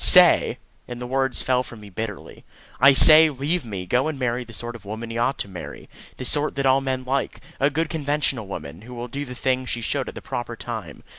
"Say!" and the words fell from me bitterly "I say, leave me; go and marry the sort of woman you ought to marry. The sort that all men like. A good conventional woman, who will do the things she should at the proper time.